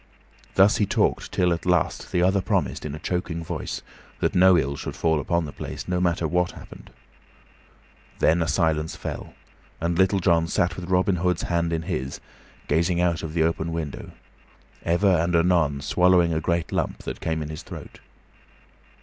Thus he talked till, at last, the other promised, in a choking voice, that no ill should fall upon the place, no matter what happened. Then a silence fell, and Little John sat with Robin Hood's hand in his, gazing out of the open window, ever and anon swallowing a great lump that came in his throat.